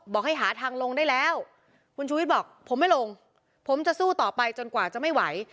บอกให้หาทางลงได้แล้วคุณชูวิทย์บอกผมไม่ลงผมจะสู้ต่อไปจนกว่าจะไม่ไหว